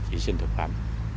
chỉ sinh thực phẩm